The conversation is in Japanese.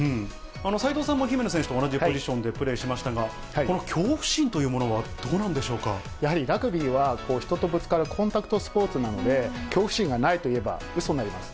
斉藤さんも姫野選手と同じポジションでプレーしましたが、この恐怖心というものは、どうなやはりラグビーは、人とぶつかるコンタクトスポーツなので、恐怖心がないといえばうそになります。